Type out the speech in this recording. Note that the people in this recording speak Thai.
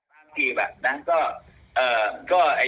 วันคีบก็ไอ้